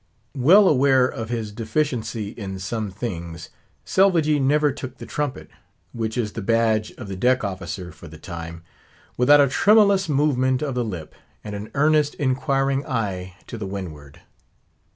Well aware of his deficiency in some things, Selvagee never took the trumpet—which is the badge of the deck officer for the time—without a tremulous movement of the lip, and an earnest inquiring eye to the windward.